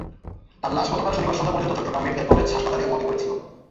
তার লাশ গতকাল শনিবার সন্ধ্যা পর্যন্ত চট্টগ্রাম মেডিকেল কলেজ হাসপাতালের মর্গে পড়েছিল।